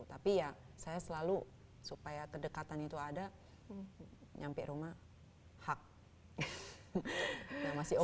tapi ya saya selalu supaya kedekatan itu ada nyampe rumah hak